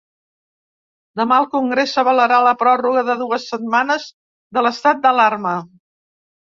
Demà, el congrés avalarà la pròrroga de dues setmanes de l’estat d’alarma.